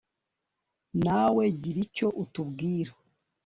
nawe gira icyo utubwira